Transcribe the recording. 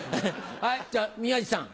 はいじゃあ宮治さん